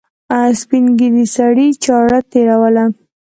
سپین غوږي سړي چاړه تېروله.